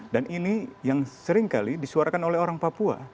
dan ini yang seringkali disuarakan oleh orang papua